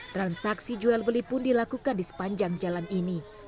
transaksi jual beli pun dilakukan di sepanjang jalan ini